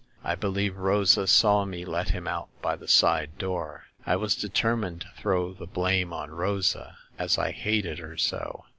I believe Rosa saw me let him out by the side door. I was determined to throw the blame on Rosa, as I hated her so.